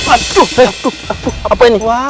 aduh apa ini